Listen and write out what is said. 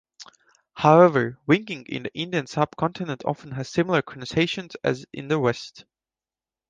However, winking in the Indian subcontinent often has similar connotations as in the West.